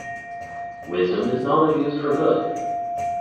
Wisdom is knowledge used for good.